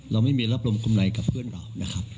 เราไม่มีรับลมกำไรกับเพื่อนเรานะครับ